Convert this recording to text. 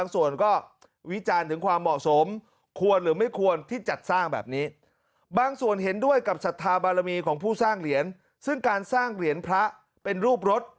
ซึ่งการสร้างเหรียญพระเป็นรูปรถ